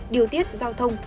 điều tiết giao thông